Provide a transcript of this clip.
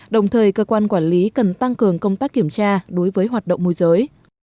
đồng thời cơ quan quản lý cần tăng cường công tác kiểm tra đối với hoạt động môi giới